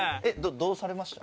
どうされました？